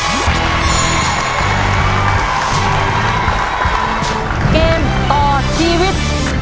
เกมต่อชีวิต